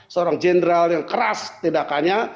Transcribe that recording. seorang jenderal yang keras tindakannya